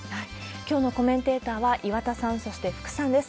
きょうのコメンテーターは岩田さん、そして福さんです。